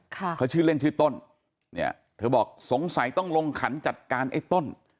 เขาชื่อเล่นชื่อต้นเนี่ยเธอบอกสงสัยต้องลงขันจัดการไอ้ต้น